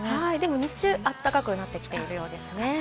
日中は暖かくなってきているようですね。